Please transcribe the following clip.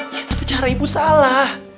ya tapi cara ibu salah